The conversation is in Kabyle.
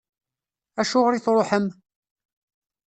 Acuɣer i tṛuḥem?